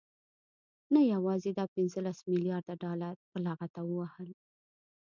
نه يوازې دا پنځلس مليارده ډالر په لغته ووهل،